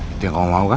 itu yang kamu mau kan